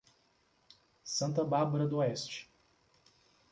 Santa Bárbara D´oeste